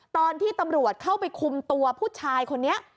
ตอนที่ตำรวจเข้าไปคุมตัวผู้ชายคนนี้